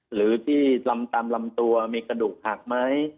หรือรำตามรำตัวมีกระดูกหักมั้ย